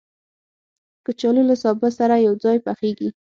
کچالو له سابه سره یو ځای پخېږي